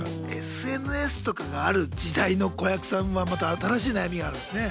ＳＮＳとかがある時代の子役さんはまた新しい悩みがあるんですね。